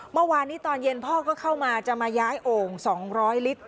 เมื่อวานนี้ตอนเย็นพ่อก็เข้ามาจะมาย้ายโอ่ง๒๐๐ลิตร